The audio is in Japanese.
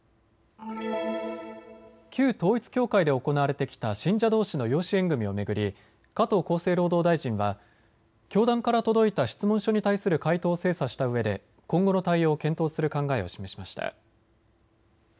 旧統一教会で行われてきた信者どうしの養子縁組みを巡り加藤厚生労働大臣は教団から届いた質問書に対する回答を精査したうえで今後の対応を検討する考えを示しました。